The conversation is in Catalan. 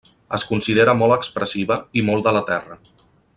Es considera molt expressiva i molt de la terra.